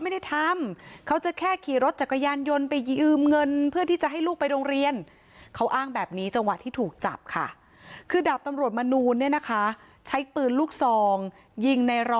ไม่ได้ทำเขาจะแค่ขี่รถจักรยานยนต์ไปยืมเงินเพื่อที่จะให้ลูกไปโรงเรียนเขาอ้างแบบนี้จังหวะที่ถูกจับค่ะคือดาบตำรวจมนูลเนี่ยนะคะใช้ปืนลูกซองยิงในรอ